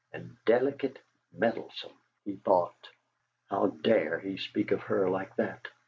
'.ndelicate, meddlesome,' he thought. 'How dare he speak of her like that!'